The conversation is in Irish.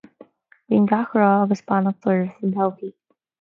Guím gach rath agus beannacht oraibh don todhchaí